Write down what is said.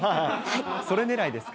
それねらいですか。